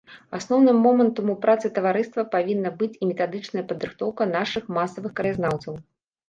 Асноўным момантам у працы таварыства павінна быць і метадычная падрыхтоўка нашых масавых краязнаўцаў.